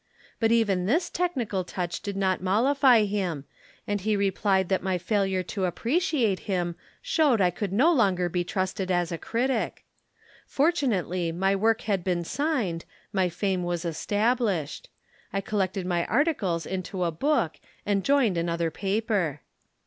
But even this technical touch did not mollify him, and he replied that my failure to appreciate him showed I could no longer be trusted as a critic. Fortunately my work had been signed, my fame was established. I collected my articles into a book and joined another paper."